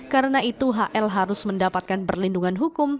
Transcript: karena itu hl harus mendapatkan perlindungan hukum